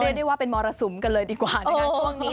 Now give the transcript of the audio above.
เรียกได้ว่าเป็นมรสุมกันเลยดีกว่าในช่วงนี้